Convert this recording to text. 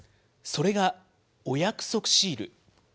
それが、お約束シール。